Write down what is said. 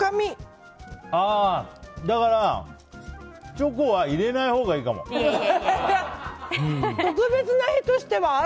だからチョコは入れないほうがいいかも。